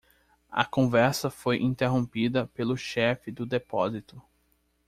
A conversa foi interrompida pelo chefe do depósito.